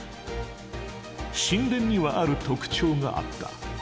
神殿にはある特徴があった。